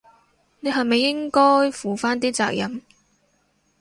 你係咪應該負返啲責任？